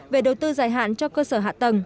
về đầu tư dài hạn cho cơ sở hạ tầng